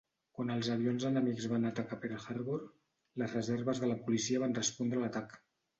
Quan els avions enemics van atacar Pearl Harbor, les reserves de la policia van respondre a l"atac.